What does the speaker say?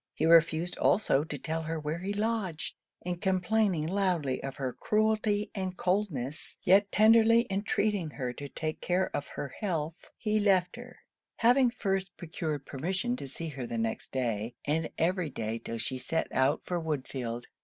He refused also to tell her where he lodged. And complaining loudly of her cruelty and coldness, yet tenderly entreating her to take care of her health, he left her; having first procured permission to see her the next day, and every day till she set out for Woodfield.